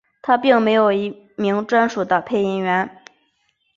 它并没有一名专属的配音员。